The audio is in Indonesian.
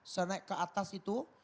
saya naik ke atas itu